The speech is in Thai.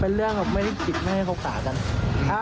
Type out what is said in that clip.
เป็นเรื่องแบบไม่ได้คิดไม่ได้คบหากัน